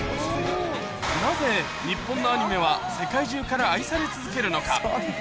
なぜ日本のアニメは世界中から愛され続けるのか。